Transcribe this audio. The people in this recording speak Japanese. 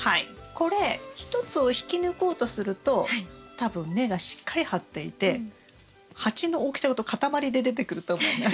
これ１つを引き抜こうとすると多分根がしっかり張っていて鉢の大きさごと塊で出てくると思います。